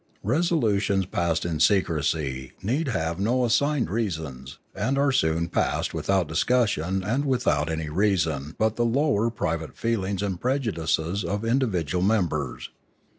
Resolutions passed in secrecy need have no assigned reasons, and are soon passed without discussion and without any reason but the lower private feelings and prejudices of individual members.